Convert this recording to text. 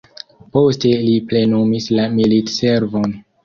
Poste li plenumis la militservon.